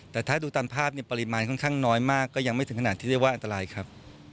แต่ถ้าดูตามภาพปริมาณค่อนข้างน้อยมากก็ยังไม่ถึงขนาดที่เรียกว่าอันตรายครับ